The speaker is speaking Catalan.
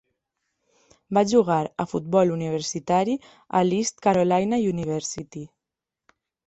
Va jugar a futbol universitari a l'East Carolina University.